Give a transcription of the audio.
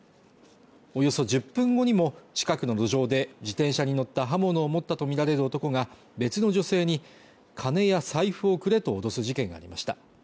およそ１０分後にも近くの路上で自転車に乗った刃物を持ったと見られる男が別の女性に金や財布をくれと脅す事件がありました